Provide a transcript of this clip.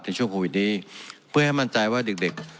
ในช่วงโควิดนี้เพื่อให้มั่นใจว่าเด็กเด็ก